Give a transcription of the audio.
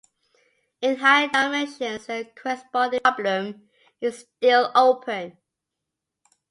In higher dimensions, the corresponding problem is still open.